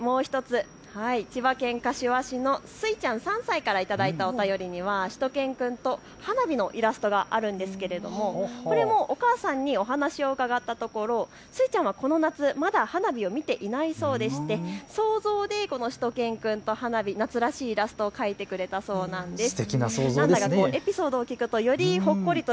そしてもう１つ、千葉県柏市のすいちゃん３歳から頂いたお便りにはしゅと犬くんと花火のイラストがあるんですけれどもこれもお母さんにお話を伺ったところ、すいちゃんはこの夏まだ花火を見ていないそうでして想像でしゅと犬くんと花火、夏らしいイラストを描いてくれたそうなんです。